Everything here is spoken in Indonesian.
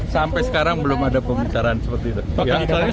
sampai sekarang belum ada pembicaraan seperti itu